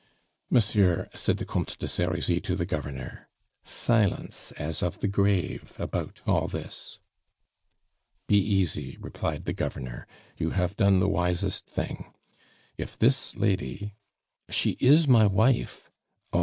"Monsieur," said the Comte de Serizy to the Governor, "silence as of the grave about all this." "Be easy," replied the Governor; "you have done the wisest thing. If this lady " "She is my wife." "Oh!